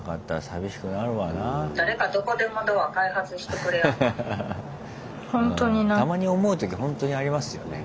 たまに思う時ほんとにありますよね。